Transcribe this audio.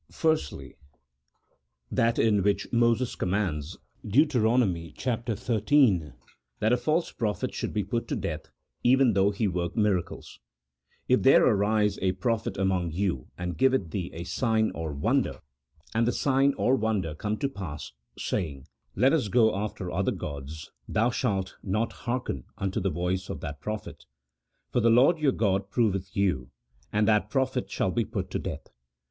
Firstly, that in which Moses commands (Deut. xiii.) that a false prophet should be put to death, even though he work miracles : "If there arise a prophet among you, and giveth thee a sign or wonder, and the sign or wonder come to pass, say ing, Let us go after other gods ... thou shalt not hearken unto the voice of that prophet ; for the Lord your God proveth you, and that prophet shall be put to death."